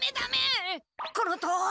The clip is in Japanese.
このとおりです。